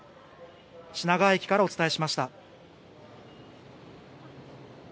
品川駅からお伝えしました。